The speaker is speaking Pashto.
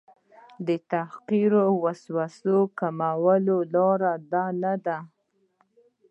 د حقیرو وسوسو کمولو لاره دا نه ده.